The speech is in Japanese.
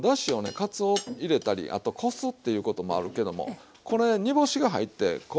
かつお入れたりあとこすっていうこともあるけどもこれ煮干しが入って昆布が入ってる